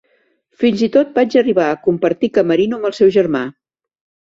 Fins i tot vaig arribar a compartir camerino amb el seu germà.